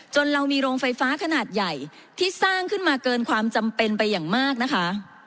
เรามีโรงไฟฟ้าขนาดใหญ่ที่สร้างขึ้นมาเกินความจำเป็นไปอย่างมากนะคะ